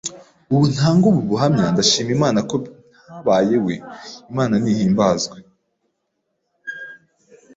Ubu ntanga ubu buhamya ndashima Imana ko ntabayewe. Imana nihimbazwe.